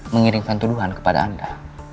mengirimkan tuduhan kepada anda